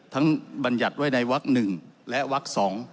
ทั้งบัญญัติไว้ในวัก๑และวัก๒